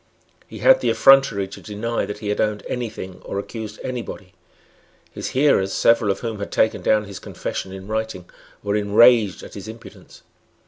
He had the effrontery to deny that he had owned any thing or accused any body. His hearers, several of whom had taken down his confession in writing, were enraged at his impudence.